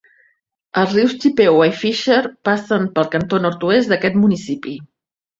Els rius Chippewa i Fisher passen pel cantó nord-oest d'aquest municipi.